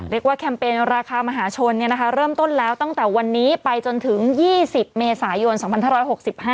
เรียกว่าแคมเปญราคามหาชนเนี่ยนะคะเริ่มต้นแล้วตั้งแต่วันนี้ไปจนถึง๒๐เมษายน๒๕๖๕นะคะ